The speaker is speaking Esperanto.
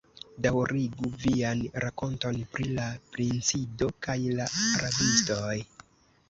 Daŭrigu vian rakonton pri la princido kaj la rabistoj.